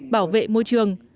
bảo vệ môi trường